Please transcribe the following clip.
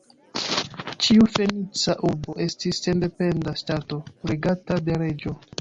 Ĉiu Fenica urbo estis sendependa ŝtato regata de reĝo.